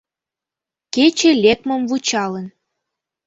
Кече лекмым вучалын